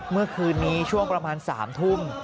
เมื่อคืนนี้ช่วงประมาณ๓ทุ่ม